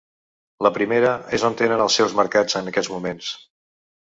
La primera és on tenen els seus mercats en aquests moments.